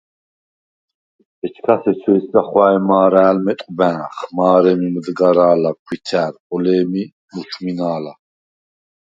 ეჩქას ეჩეჲსგა ხუ̂ა̄̈ჲ მა̄რა̄̈ლ მეტყუ̂ბა̄̈ნხ: მა̄რემი მჷდგარა̄ლა, ქუ̂ითრა̈რ, ხოლე̄მი მუჩ̈უ̂მინა̄ლა.